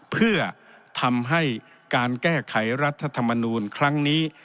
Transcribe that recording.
เพื่อทำให้การแก้ไขรัฐธรรมนูลครั้งนี้